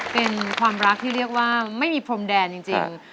เป็นความรักที่เรียกว่าไม่มีพรมแดนจริง